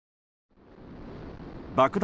爆弾